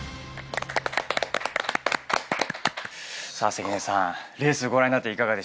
関根さんレースご覧になっていかがでしたか？